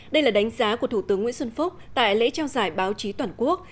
đây là đánh giá của thủ tướng nguyễn xuân phúc tại lễ trao giải báo chí toàn quốc